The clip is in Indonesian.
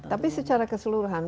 tapi secara keseluruhan